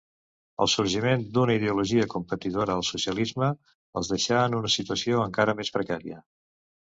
El sorgiment d'una ideologia competidora, el socialisme, els deixà en una situació encara més precària.